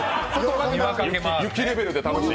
雪レベルで楽しい。